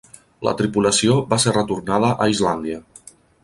La tripulació va ser retornada a Islàndia.